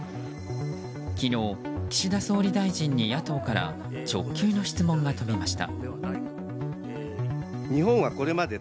昨日、岸田総理大臣に野党から直球の質問が飛びました。